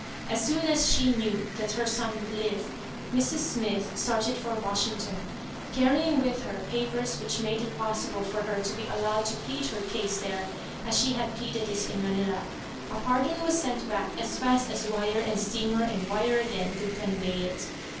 As soon as she knew that her son would live, Mrs. Smith started for Washington, carrying with her papers which made it possible for her to be allowed to plead her case there as she had pleaded it in Manila. A pardon was sent back, as fast as wire and steamer and wire again could convey it.